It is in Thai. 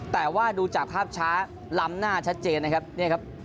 แต่ว่าดูจากภาพช้าล้ำหน้าชัดเจนนะครับเนี่ยครับ